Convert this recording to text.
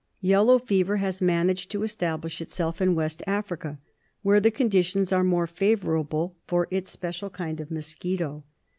Yellow fever has managed to establish itself in West Africa, where the conditions are more favourable for its special kind of mosquito.